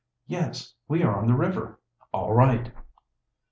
"Yes. We are on the river!" "All right!"